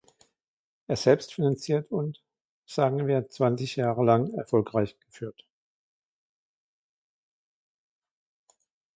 Es selbst finanziert und, sagen wir, zwanzig Jahre lang erfolgreich geführt?